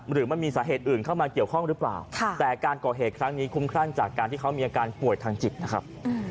หรือมันมีสาเหตุอื่นเข้ามาเกี่ยวข้องหรือเปล่าแต่การก่อเหตุครั้งนี้คุ้มครั่งจากการที่เขามีอาการป่วยทางจิตนะครับ